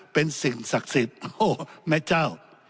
เป็นสิ่งศักดิ์สิทธิ์โอ้โหแม่เจ้า